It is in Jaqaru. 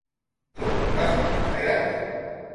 Tu, wasma jayratna